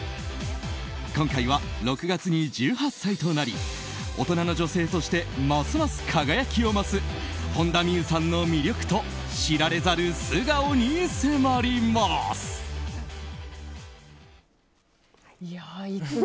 今回は６月に１８歳となり大人の女性としてますます輝きを増す本田望結さんの魅力と知られざる素顔に迫ります。